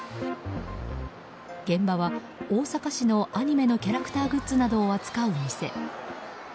現場は、大阪市のアニメのキャラクターグッズなどを扱う店。